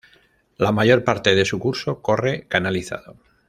La mayor parte de su curso corre canalizado.